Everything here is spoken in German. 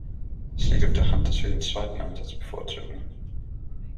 Es liegt auf der Hand, dass wir den zweiten Ansatz bevorzugen.